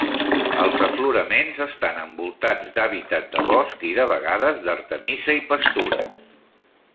Els afloraments estan envoltats d'hàbitat de bosc i, de vegades d'artemisa i pastures.